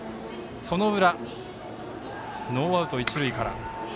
その裏、ノーアウト、一塁から。